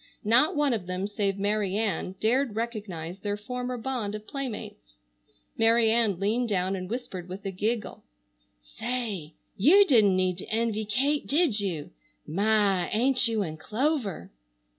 Not one of them save Mary Ann dared recognize their former bond of playmates. Mary Ann leaned down and whispered with a giggle: "Say, you didn't need to envy Kate, did you? My! Ain't you in clover!